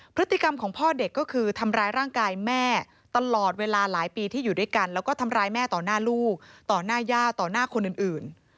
พฤติกรรมของพ่อเด็กก็คือทำร้ายร่างกายแม่ตลอดเวลาหลายปีที่อยู่ด้วยกันแล้วก็ทำร้ายแม่ต่อหน้าลูกต่อหน้าย่าต่อหน้าคนอื่น